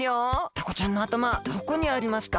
タコちゃんのあたまはどこにありますか？